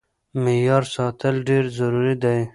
معيار ساتل ډېر ضروري دی.